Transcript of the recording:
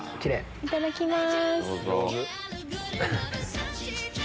いただきます。